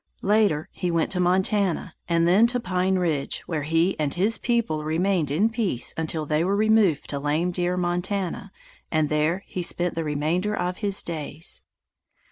Later he went to Montana and then to Pine Ridge, where he and his people remained in peace until they were removed to Lame Deer, Montana, and there he spent the remainder of his days.